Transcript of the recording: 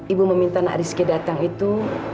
ibu meminta nak reski datang itu